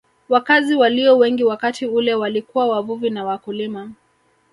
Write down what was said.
Wakazi walio wengi wakati ule walikuwa wavuvi na wakulima